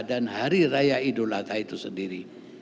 dan hari raya idul adha itu sendiri